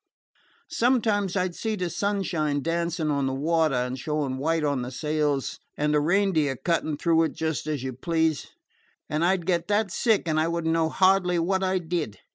"Sometimes I 'd see the sunshine dancing on the water and showing white on the sails, and the Reindeer cutting through it just as you please, and I 'd get that sick I would know hardly what I did.